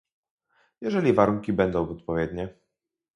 "jeżeli warunki będą odpowiednie"